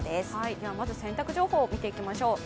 では、まず洗濯情報を見ていきましょう。